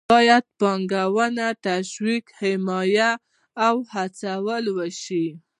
باید پانګونه تشویق، حمایه او وهڅول شي.